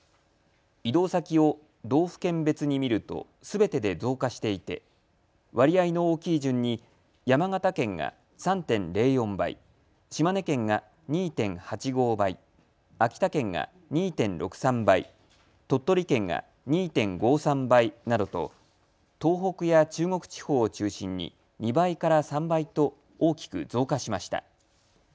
移動先を道府県別に見るとすべてで増加していて割合の大きい順に山形県が３．０４倍、島根県が２．８５倍、秋田県が２．６３倍、鳥取県が２．５３倍などと東北や中国地方を中心に２倍から３倍と大きく増加しました。